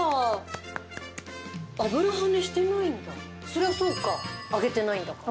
そりゃそうか揚げてないんだから。